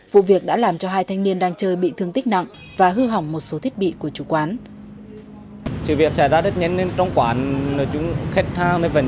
vụ việc đã làm cho hai thanh niên đang chơi bị thương tích nặng và hư hỏng một số thiết bị của chủ quán